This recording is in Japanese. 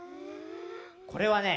これはね